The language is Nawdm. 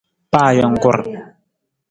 Pa ajungkur!